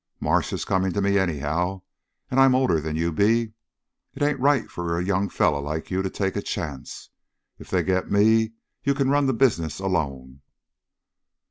Marsh is coming to me anyhow, and I'm older than you be. It ain't right for a young feller like you to take a chance. If they get me, you can run the business alone."